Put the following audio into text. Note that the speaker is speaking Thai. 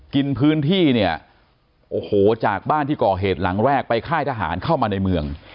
กินพื้นที่เนี่ยโอ้โหจากบ้านที่ก่อเหตุหลังแรกไปค่ายทหารเข้ามาในเมือง